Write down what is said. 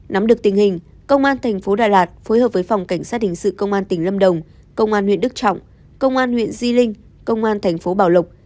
nắm được tình hình công an thành phố đà lạt phối hợp với phòng cảnh sát hình sự công an tỉnh lâm đồng công an huyện đức trọng công an huyện di linh công an thành phố bảo lộc